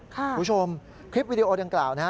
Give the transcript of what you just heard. คุณผู้ชมคลิปวิดีโอดังกล่าวนะฮะ